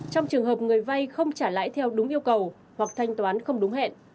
trong trường hợp người vay không trả lãi theo đúng yêu cầu hoặc thanh toán không đúng hẹn